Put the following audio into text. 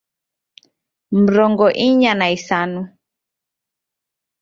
Mrongo inya na isanu